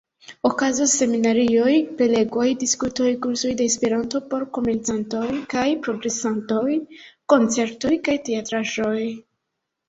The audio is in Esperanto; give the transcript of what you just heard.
Okazos seminarioj, prelegoj, diskutoj, kursoj de Esperanto por komencantoj kaj progresantoj, koncertoj kaj teatraĵoj.